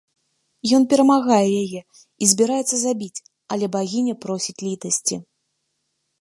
Ён перамагае яе і збіраецца забіць, але багіня просіць літасці.